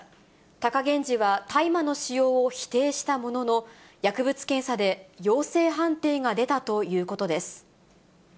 貴源治は大麻の使用を否定したものの、薬物検査で陽性判定が出たということです。